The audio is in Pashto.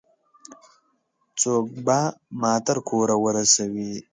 څوک به ما تر کوره ورسوي؟